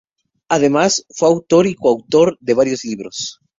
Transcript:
Además fue autor y coautor de varios libros.